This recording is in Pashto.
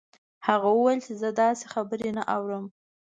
هغه وویل چې زه داسې خبرې نه اورم